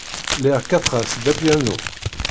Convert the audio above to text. Lliɣ kkateɣ-as-d apyanu.